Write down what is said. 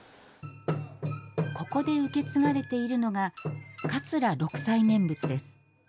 ここで受け継がれているのが桂六斎念仏です。